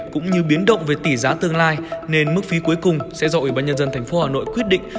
cũng như biến động về tỷ giá tương lai nên mức phí cuối cùng sẽ do ủy ban nhân dân tp hà nội quyết định